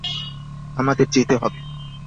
আমাদের যেতে হবে।